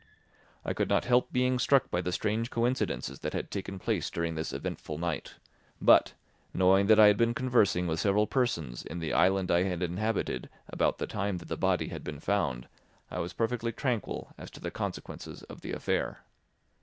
I could not help being struck by the strange coincidences that had taken place during this eventful night; but, knowing that I had been conversing with several persons in the island I had inhabited about the time that the body had been found, I was perfectly tranquil as to the consequences of the affair.